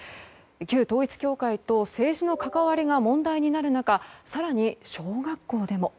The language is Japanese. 旧統一教会と政治の関わりが問題になる中更に小学校でも。